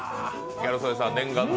ギャル曽根さん、念願の。